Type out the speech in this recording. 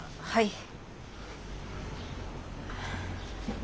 はい。